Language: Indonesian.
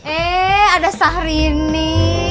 eh ada sahrini